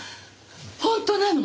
本当なの！？